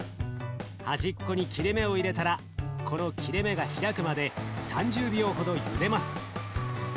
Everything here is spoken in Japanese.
端っこに切れ目を入れたらこの切れ目が開くまで３０秒ほどゆでます。